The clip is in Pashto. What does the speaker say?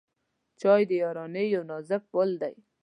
چای د یارانۍ یو نازک پُل دی.